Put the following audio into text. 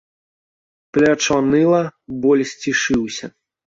Плячо ныла, боль сцішыўся.